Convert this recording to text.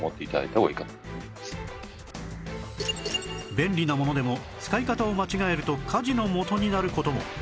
便利なものでも使い方を間違えると火事のもとになる事も